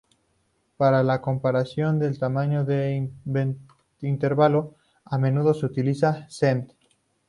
Para la comparación del tamaño del intervalo, a menudo se utilizan cent.